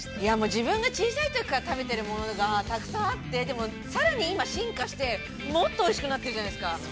◆自分が小さいときから、食べているものがたくさんあって、でも、さらに今進化して、もっとおいしくなっているじゃないですか。